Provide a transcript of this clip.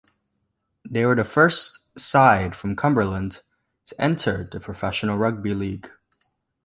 They were the first side from Cumberland to enter the professional rugby league.